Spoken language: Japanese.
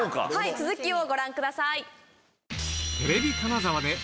続きをご覧ください。